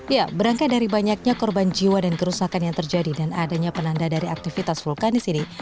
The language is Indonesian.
ya berangkat dari banyaknya korban jiwa dan kerusakan yang terjadi dan adanya penanda dari aktivitas vulkanis ini